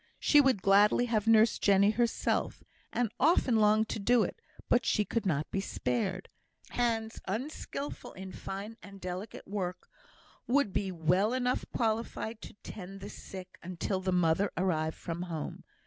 She would gladly have nursed Jenny herself, and often longed to do it, but she could not be spared. Hands, unskilful in fine and delicate work, would be well enough qualified to tend the sick, until the mother arrived from home.